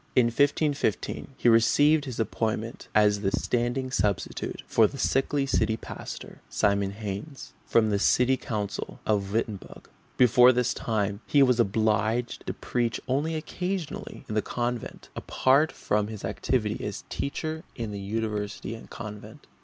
In 1515 he received his appointment as the standing substitute for the sickly city pastor, Simon Heinse, from the city council of Wittenberg. Before this time he was obliged to preach only occasionally in the convent, apart from his activity as teacher in the University and convent.